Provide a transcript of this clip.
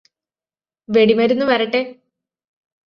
വെടിമരുന്ന് വരട്ടെ